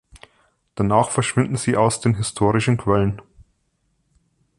Danach verschwinden sie aus den historischen Quellen.